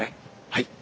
はい。